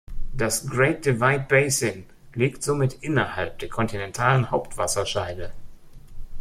Das "Great Divide Basin" liegt somit innerhalb der kontinentalen Hauptwasserscheide.